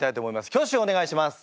挙手をお願いします。